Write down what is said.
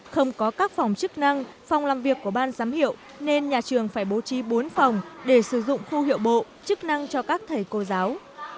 không có các phòng chức năng phòng làm việc của ban giám hiệu nên nhà trường phải bố trí bốn phòng để sử dụng khu hiệu bộ chức năng cho các thầy cô giáo